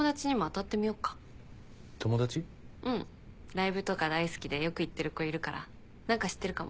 ライブとか大好きでよく行ってる子いるから何か知ってるかも。